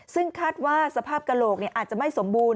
ซึ่งคาดว่าสภาพกระโหลกอาจจะไม่สมบูรณ